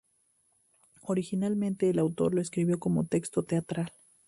Originalmente, el autor lo escribió como texto teatral.